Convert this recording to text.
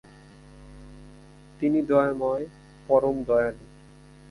তিনি দয়াময়-পরম দয়ালু।